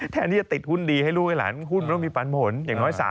แทนที่จะติดหุ้นดีให้ลูกให้หลานหุ้นต้องมีปันผลอย่างน้อย